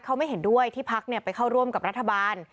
เค้าไม่เห็นด้วยที่พลักษมณ์เนี่ยไปเข้าร่วมกับรัฐบาล